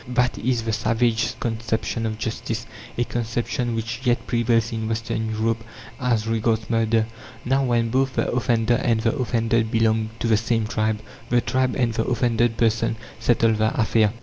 That is the savages' conception of justice a conception which yet prevails in Western Europe as regards murder. Now, when both the offender and the offended belong to the same tribe, the tribe and the offended person settle the affair.